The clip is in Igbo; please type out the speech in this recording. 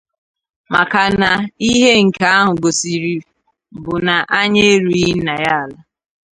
maka na ihe nke ahụ gosiri bụ na anya erughị nna ya ala